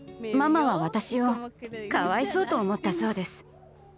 ママは私をかわいそうと思ったそうです。